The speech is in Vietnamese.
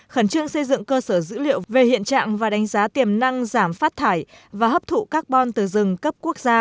khẩn trương xây dựng cơ sở dữ liệu về hiện trạng và đánh giá tiềm năng giảm phát thải và hấp thụ carbon từ rừng cấp quốc gia